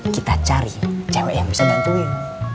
kita cari cewek yang bisa bantuin